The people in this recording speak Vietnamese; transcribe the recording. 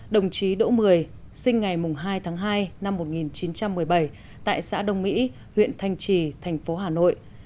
đồng chí đỗ mười sinh ngày hai tháng hai năm một nghìn chín trăm một mươi bảy tại xã đông mỹ huyện thanh trì thành phố hà nội